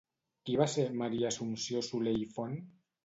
Qui va ser Maria Assumpció Soler i Font?